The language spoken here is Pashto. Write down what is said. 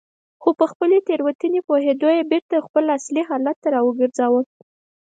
خو په خپلې تېروتنې پوهېدو یې بېرته خپل اصلي حالت ته راوګرځاوه.